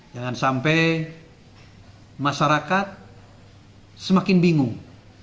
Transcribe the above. jangan sampai masyarakat semakin bingung